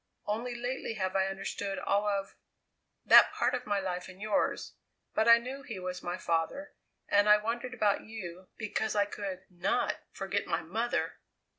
Only lately have I understood all of that part of my life and yours but I knew he was my father, and I wondered about you, because I could not forget my mother!